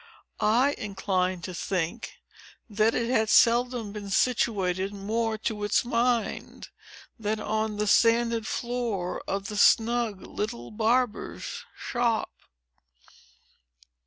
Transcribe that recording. I incline to think, that it had seldom been situated more to its mind, than on the sanded floor of the snug little barber's shop."